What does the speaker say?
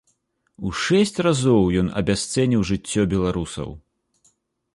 У шэсць разоў ён абясцэніў жыццё беларусаў.